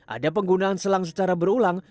ada penggunaan selang secara berulang